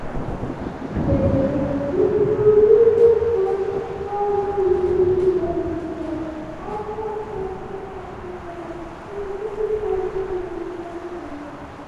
However, neither resolution was adopted by the entire Congress.